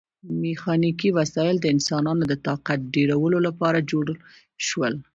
میخانیکي وسایل د انسانانو د طاقت ډیرولو لپاره جوړ شول.